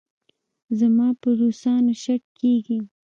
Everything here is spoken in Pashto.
زما په روسانو شک کېږي.